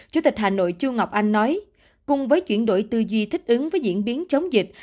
chủ tịch hà nội chu ngọc anh nói cùng với chuyển đổi tư duy thích ứng với diễn biến chống dịch